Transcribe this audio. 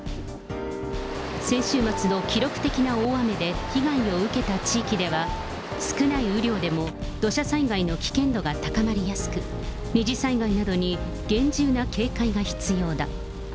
先週末の記録的な大雨で被害を受けた地域では、少ない雨量でも、土砂災害の危険度が高まりやすく、二次災害などに厳重な警戒が必要だ。